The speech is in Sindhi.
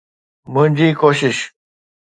منهنجي ڪوشش